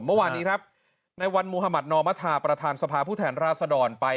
เมื่อวานนี้ครับในวันมุธมัธนอมธาประธานสภาผู้แทนราชดรไป